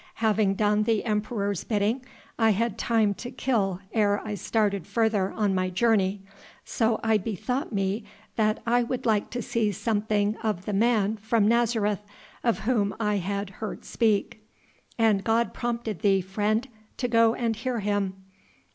Having done the Emperor's bidding, I had time to kill ere I started further on my journey. So I bethought me that I would like to see something of the Man from Nazareth of Whom I had heard speak." "And God prompted thee, friend, to go and hear Him."